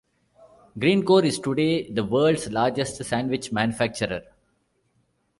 Greencore is today the world's largest sandwich manufacturer.